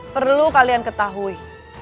perlu kalian ketahui